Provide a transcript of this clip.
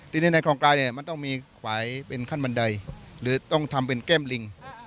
ทีนี้ในคลองกลายเนี่ยมันต้องมีขวายเป็นขั้นบันไดหรือต้องทำเป็นแก้มลิง